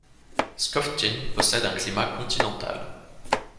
Skoftin possède un climat continental.